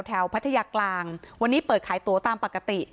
พัทยากลางวันนี้เปิดขายตัวตามปกติ